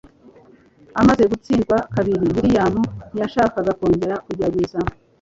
Amaze gutsindwa kabiri William ntiyashakaga kongera kugerageza